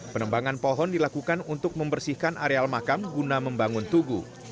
penebangan pohon dilakukan untuk membersihkan areal makam guna membangun tugu